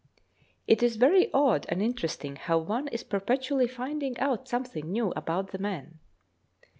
It is very odd and interesting how one is perpetually finding out something new about the men.